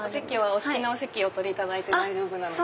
お好きなお席お取りいただいて大丈夫なので。